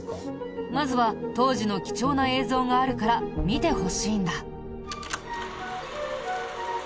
まずは当時の貴重な映像があるから見てほしいんだ。